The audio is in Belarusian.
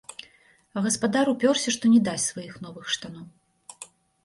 А гаспадар упёрся, што не дасць сваіх новых штаноў.